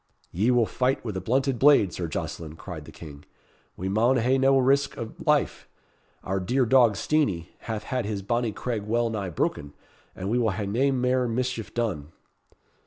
"Ye will fight with a blunted blade, Sir Jocelyn," cried the King. "We maun hae nae risk of life. Our dear dog, Steenie, hath had his bonnie craig well nigh broken, and we will hae nae mair mischief done."